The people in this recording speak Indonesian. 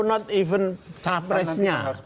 tidak bahkan capresnya